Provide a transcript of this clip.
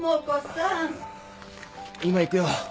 今行くよ。